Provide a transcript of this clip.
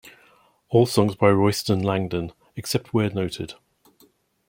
All songs by Royston Langdon, except where noted.